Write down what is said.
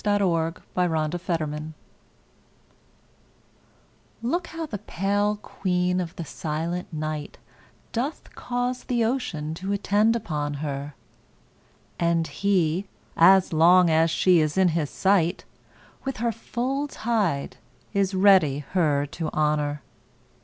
Y Z A Sonnet of the Moon LOOK how the pale queen of the silent night Doth cause the ocean to attend upon her, And he, as long as she is in his sight, With her full tide is ready her to honor.